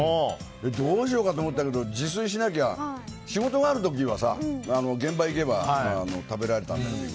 どうしようかと思ったけど自炊しなきゃ仕事がある時は現場に行けば食べられたんだけど。